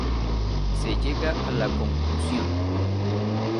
Se llega a la conclusión